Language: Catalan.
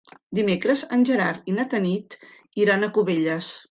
Dimecres en Gerard i na Tanit iran a Cubelles.